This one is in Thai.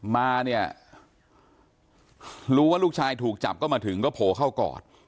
มาเนี่ยรู้ว่าลูกชายถูกจับก็มาถึงก็โผล่เข้ากอด